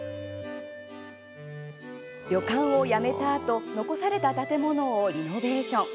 旅館をやめたあと残された建物をリノベーション。